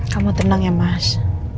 kamu tenang ya mas